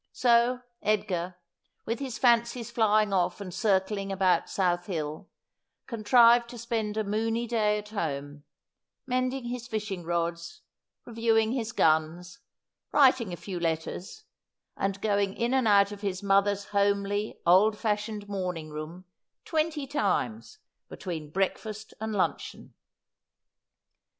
So, Edgar, with his fancies flying off and circling about South Hill, contrived to spend a moony day at home, mending his fishing rods, reviewing his guns, writing a few letters, and going in and out of his mother's homely old fashioned morning room twenty times between breakfast and luncheon.